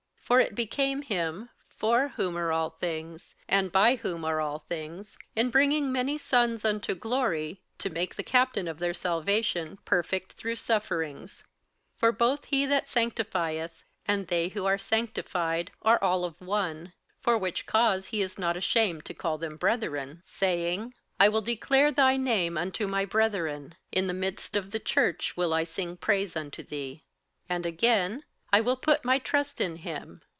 58:002:010 For it became him, for whom are all things, and by whom are all things, in bringing many sons unto glory, to make the captain of their salvation perfect through sufferings. 58:002:011 For both he that sanctifieth and they who are sanctified are all of one: for which cause he is not ashamed to call them brethren, 58:002:012 Saying, I will declare thy name unto my brethren, in the midst of the church will I sing praise unto thee. 58:002:013 And again, I will put my trust in him.